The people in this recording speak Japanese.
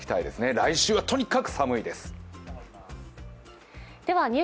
来週はとにかく寒いです。